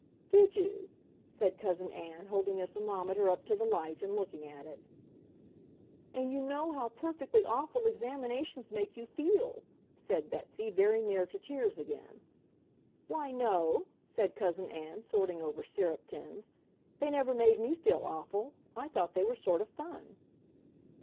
"Did you?" said Cousin Ann, holding the thermometer up to the light and looking at it. "And you know how perfectly awful examinations make you feel," said Betsy, very near to tears again. "Why, no," said Cousin Ann, sorting over syrup tins. "They never made me feel awful. I thought they were sort of fun."